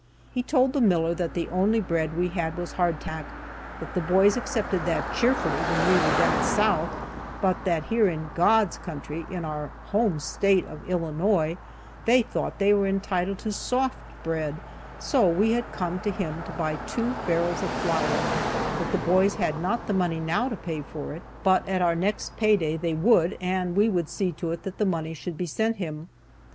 He told the miller that the only bread we had was hardtack, that the boys accepted that cheerfully when we were down South, but that here in "God's Country," in our home State of Illinois, they thought they were entitled to "soft bread," so we had come to him to buy two barrels of flour; that the boys had not the money now to pay for it, but at our next pay day they would, and we would see to it that the money should be sent him.